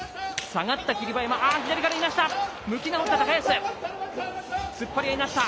下がった霧馬山、左からいなした。